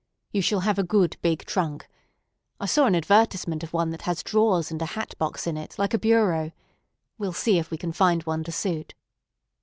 You shall have a good big trunk. I saw an advertisement of one that has drawers and a hat box in it, like a bureau. We'll see if we can find one to suit."